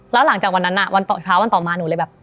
แล้วหลังจากวันนั้นเช้าวันต่อมาหนูเลยแบบ